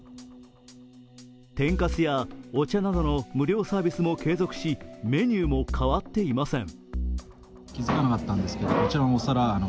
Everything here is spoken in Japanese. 天かすやお茶などの無料サービスも継続しメニューも変わっていません。